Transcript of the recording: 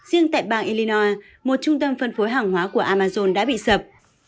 riêng tại bang ilina một trung tâm phân phối hàng hóa của amazon đã bị sập